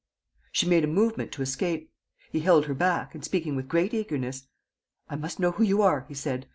She made a movement to escape. He held her back and, speaking with great eagerness: "I must know who you are," he said.